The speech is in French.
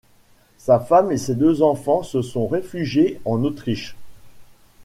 Sa femme et ses deux enfants se sont réfugié en Autriche.